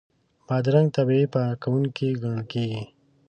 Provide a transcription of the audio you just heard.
بادرنګ طبیعي پاکوونکی ګڼل کېږي.